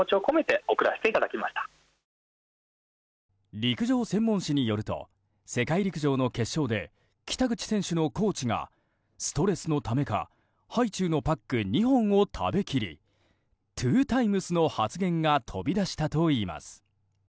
陸上専門誌によると世界陸上の決勝で北口選手のコーチがストレスのためかハイチュウのパック２本を食べきり「トゥータイムス」の発言が飛び出したといいます。